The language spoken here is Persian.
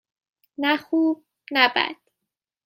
نه خوب - نه بد.